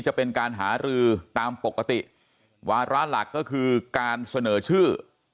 จะเป็นการหารือตามปกติวาระหลักก็คือการเสนอชื่อ